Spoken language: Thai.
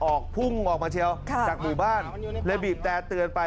พุ่งออกมาเชียวจากหมู่บ้านเลยบีบแต่เตือนไป